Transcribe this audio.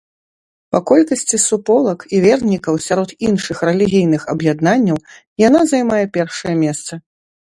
Па колькасці суполак і вернікаў сярод іншых рэлігійных аб'яднанняў яна займае першае месца.